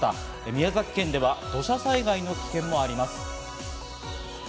宮崎県では土砂災害の危険もあります。